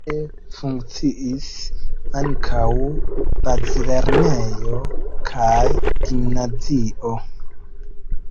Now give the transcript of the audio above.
Tie funkciis ankaŭ bazlernejo kaj gimnazio.